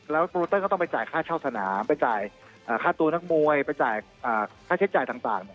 แล้วโปรเตอร์ก็ต้องไปจ่ายค่าเช่าสนามไปจ่ายค่าตัวนักมวยไปจ่ายค่าใช้จ่ายต่าง